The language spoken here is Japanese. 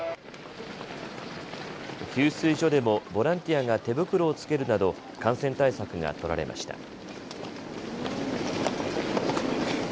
給水所でもボランティアが手袋を着けるなど感染対策が取られました。